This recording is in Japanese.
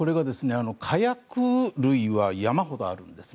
火薬類は山ほどあるんです。